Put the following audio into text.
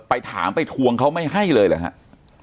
ไปถามไปทวงเขาไม่ให้เลยหรือครับ